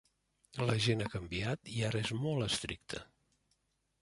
La gent ha canviat i ara és molt estricta.